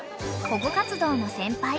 ［保護活動の先輩